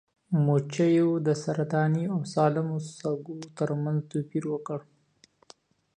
مچیو د سرطاني او سالمو سږو ترمنځ توپیر وکړ.